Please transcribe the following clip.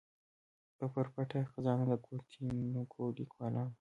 پر پټه خزانه د ګوتنیونکو ليکوالانو